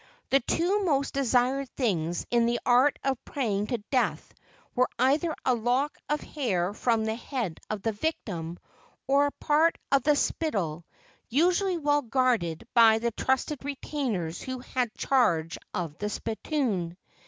The two most desired things in the art of praying to death were either a lock of hair from the head of the victim or a part of the spittle, usually well guarded by the trusted retainers who had charge of the spittoon.